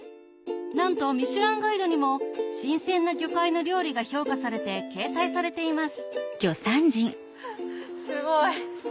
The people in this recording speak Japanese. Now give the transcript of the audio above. なんとミシュランガイドにも新鮮な魚介の料理が評価されて掲載されていますすごい。